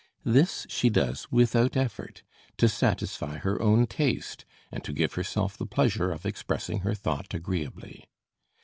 This she does without effort, to satisfy her own taste and to give herself the pleasure of expressing her thought agreeably.